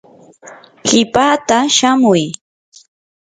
qipaata shamuy.